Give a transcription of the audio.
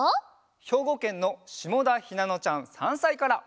ひょうごけんのしもだひなのちゃん３さいから。